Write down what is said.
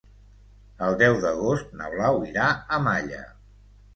El deu d'agost na Blau irà a Malla.